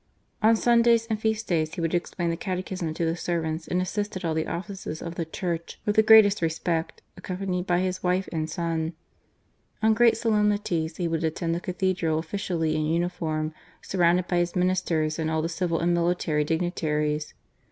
On Sundays and feast days he would explain the Catechism to the servants and assist at all the Offices of the Church with the srsatest respect, accompanied by his wife and son. On great solemnities he would attend the Cathedral officially in uniform, surrounded by his Ministers and all the civil and military dignitaries.